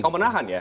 kau menahan ya